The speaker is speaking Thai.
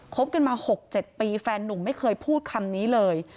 บกันมา๖๗ปีแฟนหนุ่มไม่เคยพูดคำนี้เลย